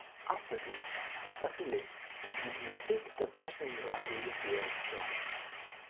Außerdem veröffentlich die Bibliothek das „National Library of Wales Journal“.